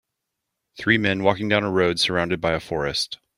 Three men walking down a road surrounded by a forest.